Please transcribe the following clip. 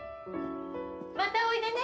またおいでね。